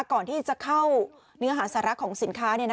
ก่อนที่จะเข้าเนื้อหาสาระของสินค้า